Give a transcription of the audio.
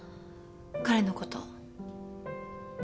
彼のこと。